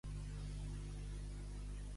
A saber, a Salamanca.